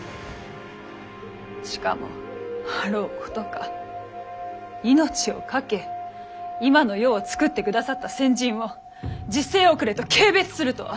しかもあろうことか命をかけ今の世を作ってくださった先人を時勢遅れと軽蔑するとは！